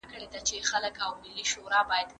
انا په ډېرې عاجزۍ سره لمونځ کاوه.